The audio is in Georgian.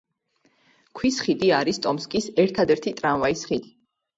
ქვის ხიდი არის ტომსკის ერთადერთი ტრამვაის ხიდი.